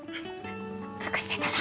隠してたの？